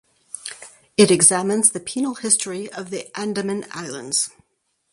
It examines the penal history of the Andaman Islands.